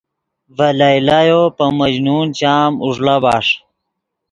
ڤے لیلیو پے مجنون چام اوݱڑا بݰ